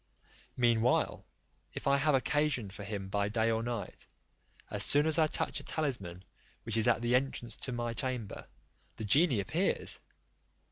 Meanwhile, if I have occasion for him by day or night, as soon as I touch a talisman, which is at the entrance into my chamber, the genie appears.